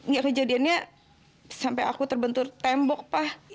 nggak kejadiannya sampai aku terbentur tembok pak